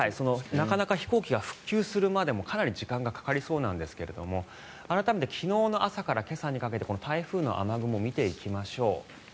なかなか飛行機が復旧するまでもかなり時間がかかりそうなんですが改めて昨日の朝から今朝にかけて台風の雨雲、見ていきましょう。